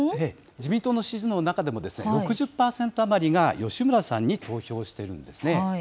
自民党の支持の中でも６０％余りが吉村さんに投票しているんですね。